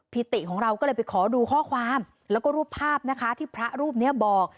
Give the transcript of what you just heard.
ติของเราก็เลยไปขอดูข้อความแล้วก็รูปภาพนะคะที่พระรูปนี้บอก